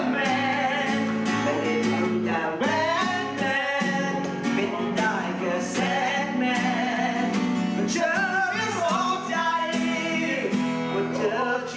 มันเจอเรื่องของใจ